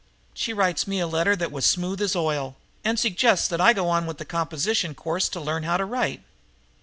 She writes me a letter that was smooth as oil and suggests that I go on with a composition course to learn how to write."